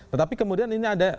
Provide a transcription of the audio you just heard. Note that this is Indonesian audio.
tetapi kemudian ini ada